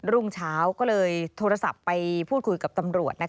รุ่งเช้าก็เลยโทรศัพท์ไปพูดคุยกับตำรวจ